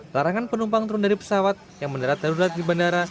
larangan penumpang turun dari pesawat yang mendarat darurat di bandara